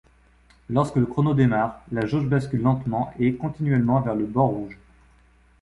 Lorsque le chrono démarre, la jauge bascule lentement et continuellement vers le bord rouge.